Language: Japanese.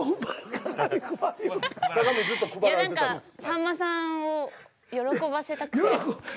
何かさんまさんを喜ばせたくて。